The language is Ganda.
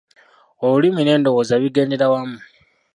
Olulimi n'endowooza bigendera wamu.